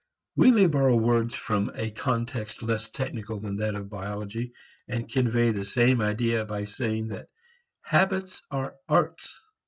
We may borrow words from a context less technical than that of biology, and convey the same idea by saying that habits are arts.